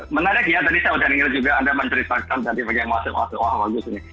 menarik ya tadi saya sudah ingin anda menerima panggilan tadi bagaimana maksud masuk wah bagus ini